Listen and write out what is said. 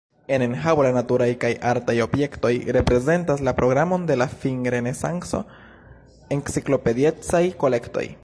En enhavo la naturaj kaj artaj objektoj reprezentas la programon de la finrenesanco-enciklopediecaj kolektoj.